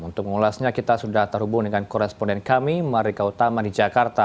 untuk mengulasnya kita sudah terhubung dengan koresponden kami marika utama di jakarta